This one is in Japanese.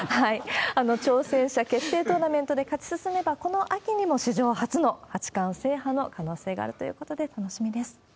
挑戦者決戦トーナメントで勝ち進めば、この秋にも史上初の八冠制覇の可能性があるということで、楽しみです。